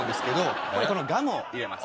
このガムを入れます。